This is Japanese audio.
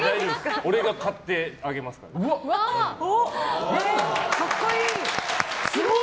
俺が買ってあげます。